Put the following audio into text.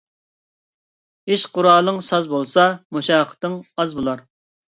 ئىش قۇرالىڭ ساز بولسا، مۇشەققىتىڭ ئاز بولار.